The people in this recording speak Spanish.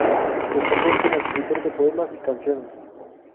Destacó como escritor de poemas y canciones.